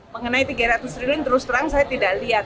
mengenai tiga ratus triliun terus terang saya tidak lihat